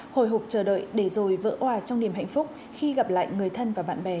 hồi hộp chờ đợi để rồi vỡ hòa trong niềm hạnh phúc khi gặp lại người thân và bạn bè